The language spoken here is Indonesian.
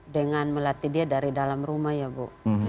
dengan melatih dia dari dalam rumah ya bu